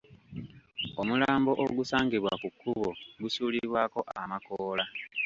Omulambo ogusangibwa ku kkubo gusuulibwako amakoola.